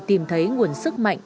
tìm thấy nguồn sức mạnh